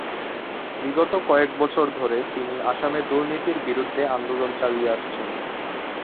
বিগত কয়েক বছর ধরে তিনি আসামে দুর্নীতির বিরূদ্ধে আন্দোলন চালিয়ে আসছেন।